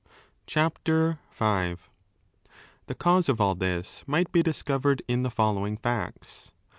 CHAPTEE V. The cause of all this might be discovered in the following facts.